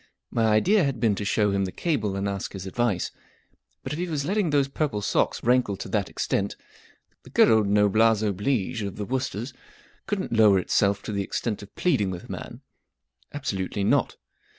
My idea had been to show him the cable and ask his ad¬ vice. But if he was letting those purple socks rankle to that extent, the good old noble$$C oblige of the W o o s t e r s couldn't lower itself to the ex¬ tent of pleading with the man. Absolutely not.